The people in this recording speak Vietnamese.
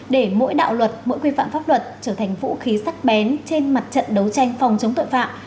để mỗi đạo luật mỗi quy phạm pháp luật trở thành vũ khí sắc bén trên mặt trận đấu tranh phòng chống tội phạm